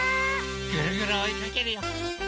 ぐるぐるおいかけるよ！